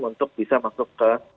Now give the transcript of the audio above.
untuk bisa masuk ke